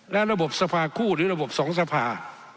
และระบบสภาคู่หรือระบบสองสภา